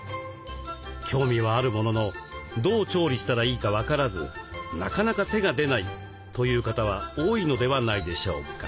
興味はあるもののどう調理したらいいか分からずなかなか手が出ないという方は多いのではないでしょうか。